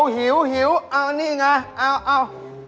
หิวเอานี่ไงเอา